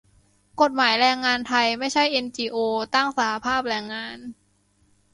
"กฎหมายแรงงานไทยไม่ให้เอ็นจีโอตั้งสหภาพแรงงาน"